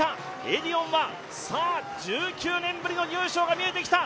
エディオンは１９年ぶりの入賞が見えてきた。